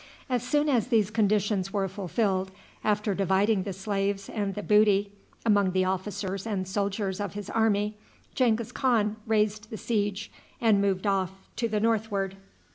As soon as these conditions were fulfilled, after dividing the slaves and the booty among the officers and soldiers of his army, Genghis Khan raised the siege and moved off to the northward.